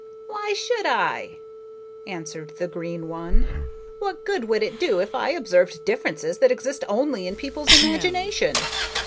"Why should I?" answered the green one. "What good would it do if I observed differences that exist only in people's imagination?